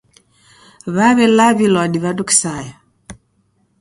W'aw'elaw'ilwa ni w'andu kisaya